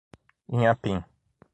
Inhapim